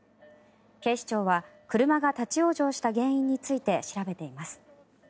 警視庁は車が立ち往生した原因について調べています。